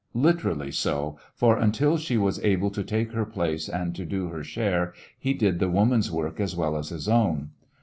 Literally so, for until she was able to take her place and to do her share, he did the Woman's work as well as his own.